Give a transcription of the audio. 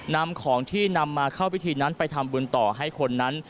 นำของที่นำมาเข้าพิธีนั้นไปทำบุญต่อให้คนนั้น